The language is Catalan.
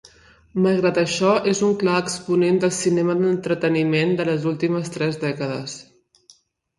Malgrat això, és un clar exponent del cinema d'entreteniment de les últimes tres dècades.